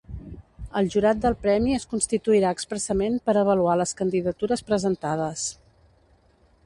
El jurat del Premi es constituirà expressament per avaluar les candidatures presentades.